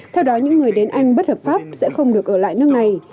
theo đó những người đến anh bất hợp pháp sẽ không được ở lại nước này